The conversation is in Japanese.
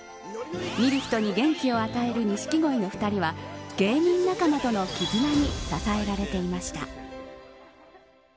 見る人に元気を与える錦鯉の２人は芸人仲間との絆に支えられていました。